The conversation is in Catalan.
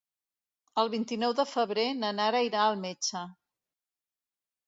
El vint-i-nou de febrer na Nara irà al metge.